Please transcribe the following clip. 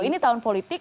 ini tahun politik